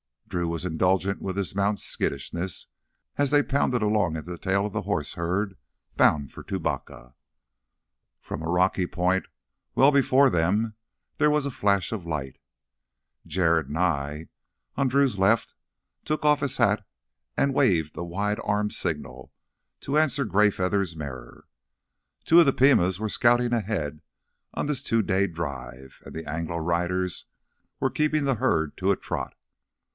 Drew was indulgent with his mount's skittishness as they pounded along at the tail of the horse herd bound for Tubacca. From a rocky point well before them there was a flash of light. Jared Nye, on Drew's left, took off his hat and waved a wide armed signal to answer Greyfeather's mirror. Two of the Pimas were scouting ahead on this two day drive, and the Anglo riders were keeping the herd to a trot.